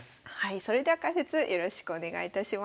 それでは解説よろしくお願いいたします。